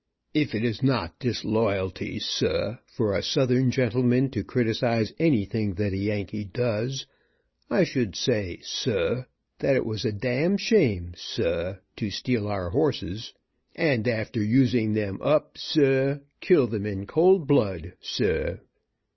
"If it is not disloyalty, sah, for a southern gentleman to criticize anything that a yankee does, I should say, sah, that it was a d d shame, sah, to steal our horses, and after using them up, sah, kill them in cold blood, sah.